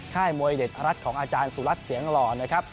ค่ายมวยเด็ดรัฐของอาจารย์สุรัตน์เสียงหล่อนะครับ